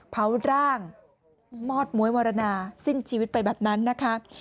เผาร่างมอดม้วยวารณาสิ้นชีวิตไปแบบนั้นนะคะ